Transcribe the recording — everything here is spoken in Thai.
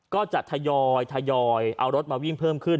ก็จะทยอยเอารถมาวิ่งเพิ่มขึ้น